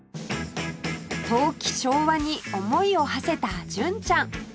遠き昭和に思いをはせた純ちゃん